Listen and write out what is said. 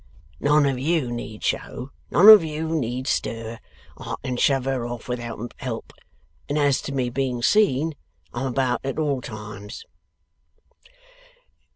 None of you need show. None of you need stir. I can shove her off without help; and as to me being seen, I'm about at all times.